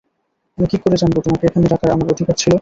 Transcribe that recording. আমি কী করে জানবো তোমাকে এখানে ডাকার আমার অধিকার ছিলো।